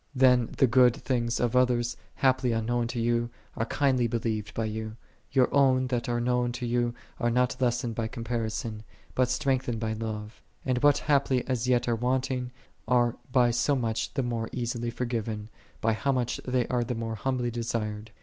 When the good things of others, haply unknown to you, are kindly believed by you, your own that are known to you are not lessened by comparison, but strengthened by love: and what haply as yet are wanting, are by so much the more easily given, by how much they are the more humbly desired.